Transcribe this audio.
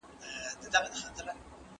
زه هېره نه لرم.